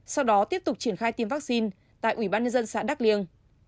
sau đó tiếp tục triển khai tiêm vaccine tại ủy ban nhân dân xã đắk liêng